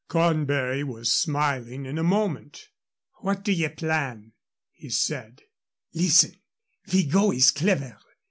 Cornbury was smiling in a moment. "What do ye plan?" he said. "Listen. Vigot is clever.